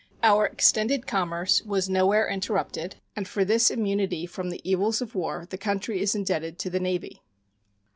Our extended commerce was nowhere interrupted, and for this immunity from the evils of war the country is indebted to the Navy.